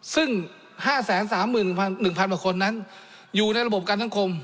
ซึ่ง๕๓๑๐๐๐กว่าคนนั้นอยู่ในระบบการสังคม